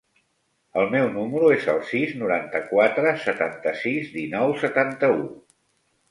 El meu número es el sis, noranta-quatre, setanta-sis, dinou, setanta-u.